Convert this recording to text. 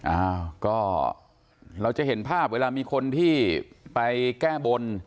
อ้าวก็เราจะเห็นภาพเวลามีคนที่ไปแก้บน